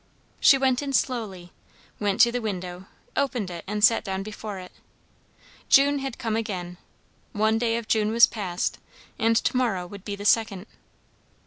She went in slowly, went to the window, opened it and sat down before it. June had come again; one day of June was passed, and to morrow would be the second.